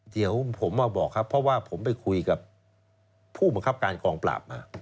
เดี๋ยวผมมาบอกครับเพราะว่าผมไปคุยกับผู้บังคับการกองปราบมา